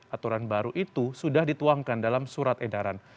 aturan baru itu sudah dituangkan dalam surat edaran